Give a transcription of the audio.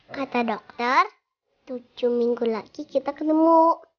kata dokter tujuh minggu lagi kita ketemu